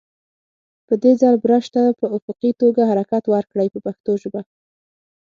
په دې ځل برش ته په افقي توګه حرکت ورکړئ په پښتو ژبه.